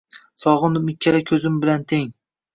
Sog’indim ikkala ko’zim bilan teng.